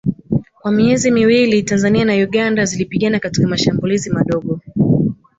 Kwa miezi miwili Tanzania na Uganda zilipigana katika mashambulizi madogo